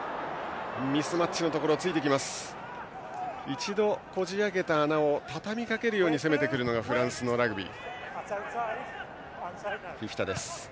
一度こじ開けた穴をたたみかけるように攻めてくるのがフランスのラグビー。